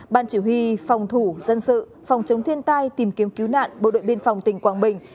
ban chỉ huy phòng thủ dân sự phòng chống thiên tai tìm kiếm cứu nạn bộ đội biên phòng tỉnh quảng bình